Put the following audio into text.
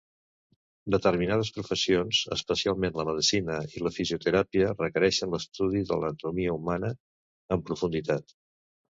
Determinades professions, especialment la medicina i la fisioteràpia, requereixen l'estudi de l'anatomia humana en profunditat.